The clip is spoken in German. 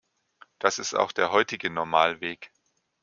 Das ist auch der heutige Normalweg.